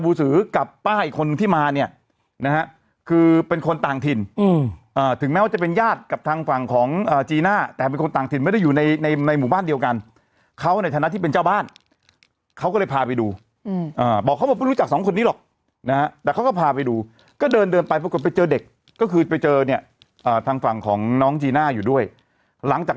อืออ่าถึงแม้ว่าจะเป็นญาติกับทางฝั่งของอ่าจีน่าแต่เป็นคนต่างถิ่นไม่ได้อยู่ในในในหมู่บ้านเดียวกันเขาในฐานะที่เป็นเจ้าบ้านเขาก็เลยพาไปดูอืมอ่าบอกเขาว่าไม่รู้จักสองคนนี้หรอกนะฮะแต่เขาก็พาไปดูก็เดินเดินไปปรากฎไปเจอเด็กก็คือไปเจอเนี่ยอ่าทางฝั่งของน้องจีน่าอยู่ด้วยหลังจาก